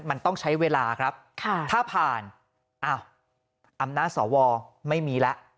มันต้องใช้เวลาครับถ้าผ่านอ้าวอำนาจสวไม่มีแล้ว